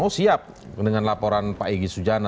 mau siap dengan laporan pak egy sujana